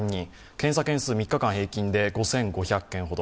検査件数３日間平均で５５００件ほど。